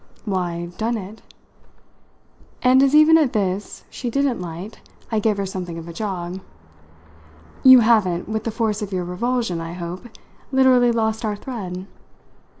"Why, done it." And as even at this she didn't light I gave her something of a jog. "You haven't, with the force of your revulsion, I hope, literally lost our thread."